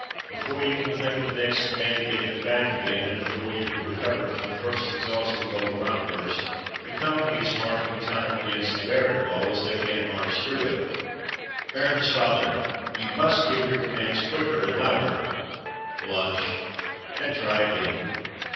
Before you can think of the next command to get them back again, and before you have A Disciplinarian Major 35 recovered from the first exhausting vocal outburst, the company is ''marking time'' against the barrack wall, as they can't march through it. "Bairnsfather! you must give your commands quicker and louder." Blush, and try again.